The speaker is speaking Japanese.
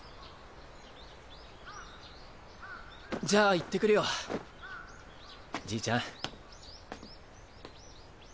じゃあ行ってくるよじいちゃん。